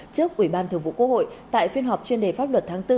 trước ủy ban thường vụ quốc hội tại phiên họp chuyên đề pháp luật tháng bốn